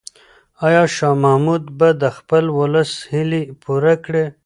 آیا شاه محمود به د خپل ولس هیلې پوره کړي؟